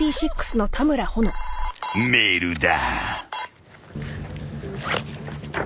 ［メールだ］